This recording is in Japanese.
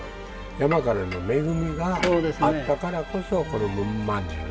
山からの恵みがあったからこそこのモモまんじゅう。